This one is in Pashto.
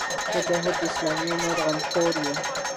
مجاهد د اسلامي امت غمخور وي.